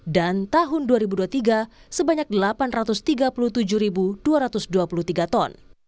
dan tahun dua ribu dua puluh tiga sebanyak delapan ratus tiga puluh tujuh dua ratus dua puluh tiga ton